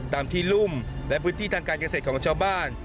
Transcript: ตามที่รุ่มและพื้นที่ทางการเกษตรของชาวบ้าน